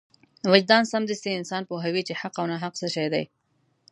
وجدان سمدستي انسان پوهوي چې حق او ناحق څه شی دی.